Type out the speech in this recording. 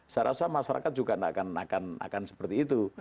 saya rasa masyarakat juga tidak akan seperti itu